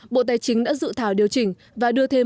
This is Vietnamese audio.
bộ tài chính đã dự thảo điều chỉnh và đưa thêm